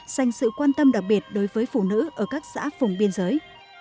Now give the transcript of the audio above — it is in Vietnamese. dành sự quan tâm đặc biệt đối với phụ nữ ở các xã vùng biên giới